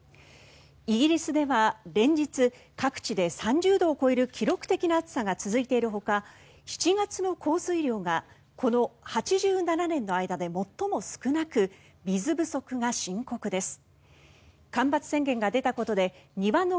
イギリスでは連日各地で３０度を超える記録的な暑さが続いているほか７月の降水量がこの８７年の間で最も少なく水不足が深刻です。